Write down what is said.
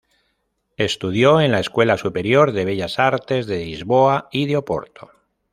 Estudió en la escuela superior de Bellas Artes de Lisboa y de Oporto.